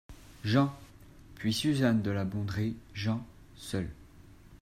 Jean ; puis Suzanne de La Bondrée Jean , seul.